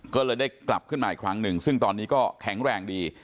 ก็เลยได้กลับขึ้นมาอีกครั้งหนึ่งซึ่งตอนนี้ก็แข็งแรงดี